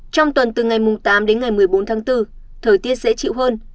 trong tuần từ ngày tám đến ngày một mươi bốn tháng bốn thời tiết dễ chịu hơn